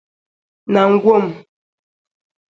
na Ngwom